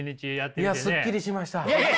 いやすっきりしました。